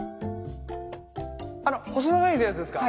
あの細長いやつですか？